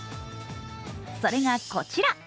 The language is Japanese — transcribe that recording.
それがこちら。